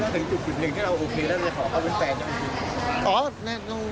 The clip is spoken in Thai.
หนึ่งที่เราโอเคแล้วคือเขาเป็นแฟนกัน